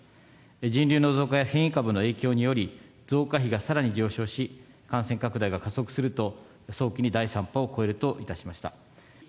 人流の増加や変異株の影響により、増加比がさらに上昇し、感染拡大が加速すると、早期に第３波を超えるといたしました。